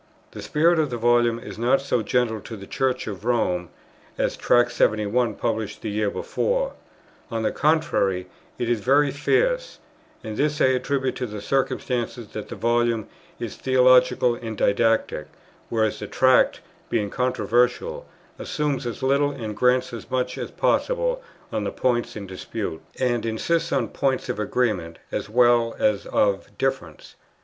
The spirit of the Volume is not so gentle to the Church of Rome, as Tract 71 published the year before; on the contrary, it is very fierce; and this I attribute to the circumstance that the Volume is theological and didactic, whereas the Tract, being controversial, assumes as little and grants as much as possible on the points in dispute, and insists on points of agreement as well as of difference.